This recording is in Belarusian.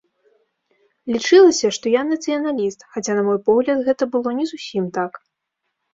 Лічылася, што я нацыяналіст, хаця, на мой погляд, гэта было не зусім так.